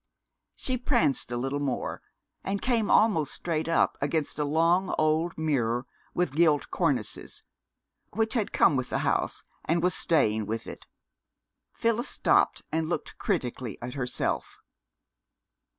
She pranced a little more, and came almost straight up against a long old mirror with gilt cornices, which had come with the house and was staying with it. Phyllis stopped and looked critically at herself.